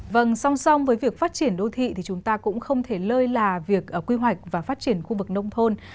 vâng song song với việc phát triển đô thị thì chúng ta cũng không thể lơi là việc quy hoạch và phát triển khu vực nông thôn